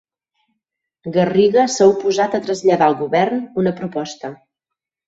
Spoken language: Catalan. Garriga s'ha oposat a traslladar al govern una proposta.